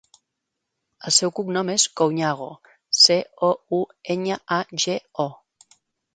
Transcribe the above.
El seu cognom és Couñago: ce, o, u, enya, a, ge, o.